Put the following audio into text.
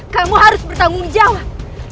kamu harus bertanggung jawab